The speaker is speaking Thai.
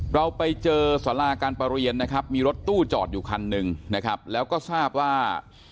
เราไปเจอสาราการประเรียนนะครับมีรถตู้จอดอยู่คันหนึ่งนะครับแล้วก็ทราบว่า